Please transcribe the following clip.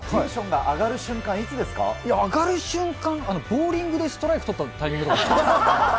いや、上がる瞬間、ボウリングでストライクとったタイミングとか。